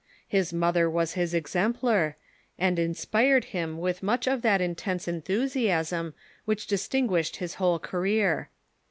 His mother was his exemplar, and inspired him with much of that intense enthusiasm which distinguished . his whole career.